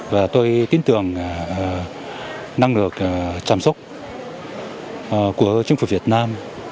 và tôi tin tưởng năng lực chăm sóc của chính phủ việt nam